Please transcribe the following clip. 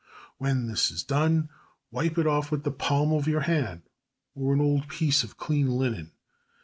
When this is done, wipe it off with the palm of your hand or an old piece of clean linen.